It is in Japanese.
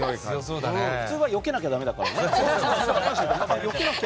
普通はよけなきゃだめだからね。